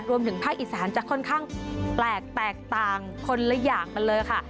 รวมถึงภาคอีสานจะค่อนข้างแปลกแตกต่างคนละอย่างกันเลยค่ะ